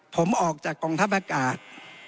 ผมออกจากกองทัพอากาศ